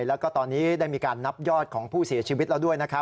แล้วก็ตอนนี้ได้มีการนับยอดของผู้เสียชีวิตแล้วด้วยนะครับ